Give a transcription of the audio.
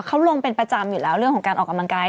เขาลงเป็นประจำอยู่แล้วเรื่องของการออกกำลังกาย